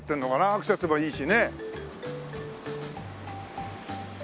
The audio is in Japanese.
アクセスもいいしね。